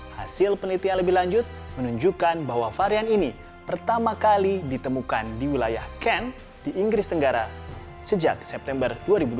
hasil penelitian lebih lanjut menunjukkan bahwa varian ini pertama kali ditemukan di wilayah ken di inggris tenggara sejak september dua ribu dua puluh